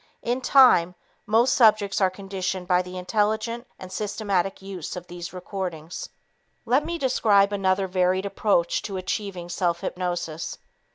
In time, most subjects are conditioned by the intelligent and systematic use of these recordings. Let me describe another varied approach to achieving self hypnosis.